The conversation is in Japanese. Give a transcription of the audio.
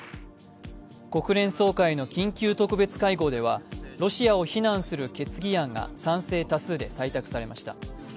国連総会の緊急特別会合ではロシアを非難する決議案が賛成多数で採択されました。